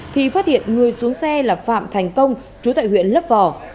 thì phát hiện người xuống xe là phạm thành công chú tại huyện lấp vò